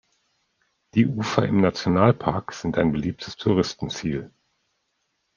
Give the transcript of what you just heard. Die Ufer im Nationalpark sind ein beliebtes Touristenziel.